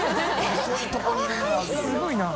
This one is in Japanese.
すごいな。